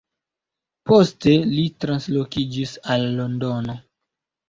Poste li translokiĝis al Londono.